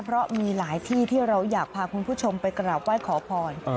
เพราะมีหลายที่ที่เราอยากพาคุณผู้ชมไปกราบไหว้ขอพร